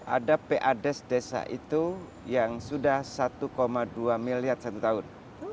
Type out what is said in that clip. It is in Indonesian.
ada pades desa itu yang sudah satu dua miliar satu tahun